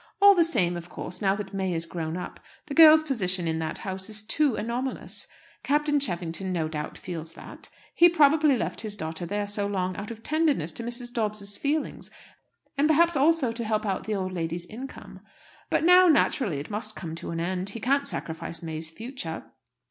All the same, of course, now that May is grown up, the girl's position in that house is too anomalous. Captain Cheffington no doubt feels that. He probably left his daughter there so long out of tenderness to Mrs. Dobbs's feelings; and perhaps also to help out the old lady's income. But now, naturally, it must come to an end. He can't sacrifice May's future.